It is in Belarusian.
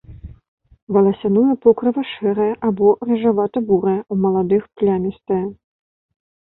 Валасяное покрыва шэрае або рыжавата-бурае, у маладых плямістае.